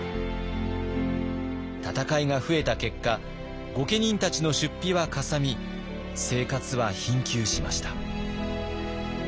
戦いが増えた結果御家人たちの出費はかさみ生活は貧窮しました。